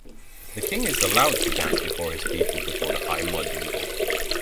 The king is allowed to dance before his people before the high mud wall.